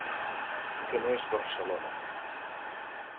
Que no és Barcelona.